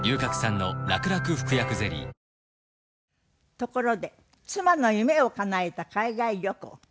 ところで妻の夢をかなえた海外旅行。